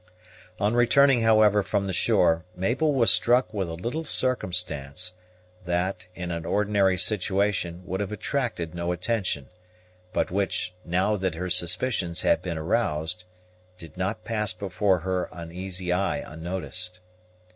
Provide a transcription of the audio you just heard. On returning, however, from the shore, Mabel was struck with a little circumstance, that, in an ordinary situation, would have attracted no attention, but which, now that her suspicions had been aroused, did not pass before her uneasy eye unnoticed.